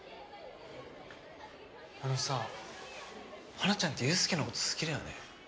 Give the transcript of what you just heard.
あのさ花ちゃんって雄亮の事好きだよね？